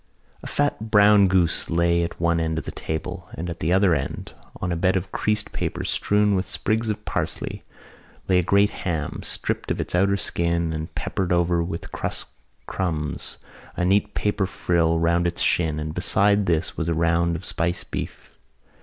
A fat brown goose lay at one end of the table and at the other end, on a bed of creased paper strewn with sprigs of parsley, lay a great ham, stripped of its outer skin and peppered over with crust crumbs, a neat paper frill round its shin and beside this was a round of spiced beef.